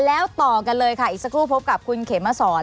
แล้วต่อกันเลยค่ะอีกสักครู่พบกับคุณเขมสอน